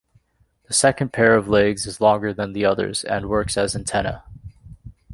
The second pair of legs is longer than the others and works as antennae.